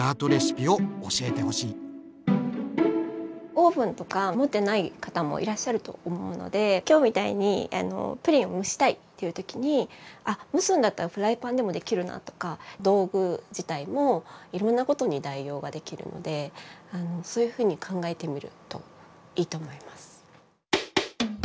オーブンとか持ってない方もいらっしゃると思うので今日みたいにプリンを蒸したいという時にあっ蒸すんだったらフライパンでもできるなとか道具自体もいろんなことに代用ができるのでそういうふうに考えてみるといいと思います。